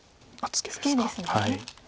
ツケですね。